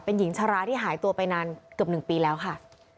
เป็นหญิงชะลาที่หายตัวไปนานเกือบ๑ปีแล้วค่ะ